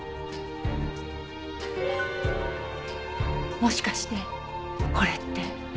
もしかしてこれって。